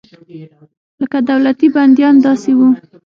لکه دولتي بندیان داسې وو.